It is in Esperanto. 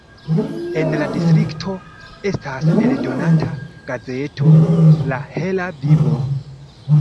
En la distrikto estas eldonata gazeto "La Hela vivo".